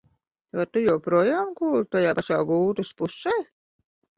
Vai tu joprojām guli tajā pašā gultas pusē?